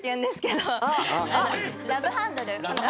ラブハンドル。